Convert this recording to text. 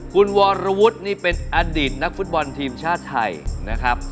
คุณวรวุฒินี่เป็นอดีตนักฟุตบอลทีมชาติไทยนะครับ